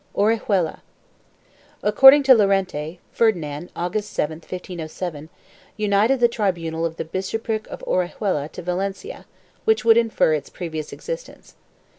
2 • ORIHUELA. According to Llorente, Ferdinand, Aug. 7, 1507, united the tribunal of the bishopric of Orihuela to Valencia, which would infer its previous existence.